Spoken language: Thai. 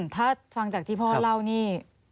ถ้าฟังจากที่พ่อเล่านี่